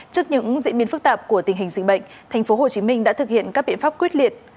trước những diễn biến phức tạp của tình hình dịch bệnh thành phố hồ chí minh đã thực hiện các biện pháp quyết liệt